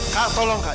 kak tolong kak